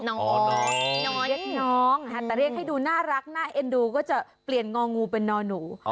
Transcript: น้องนอเรียกน้องแต่เรียกให้ดูน่ารักน่าเอ็นดูก็จะเปลี่ยนงองูเป็นนอหนู